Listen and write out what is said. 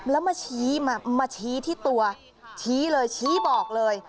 แล้วมาชี้มาชี้ที่ตัวชี้เลยชี้บอกเลย